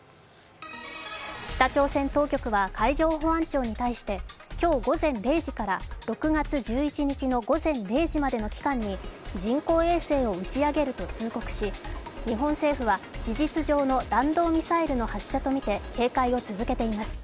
北朝鮮当局は海上保安庁に対して今日午前０時から６月１１日の午前０時までの期間に人工衛星を打ち上げると通告し日本政府は事実上の弾道ミサイルの発射とみて警戒を続けています。